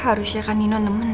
harusnya kan inon nemenin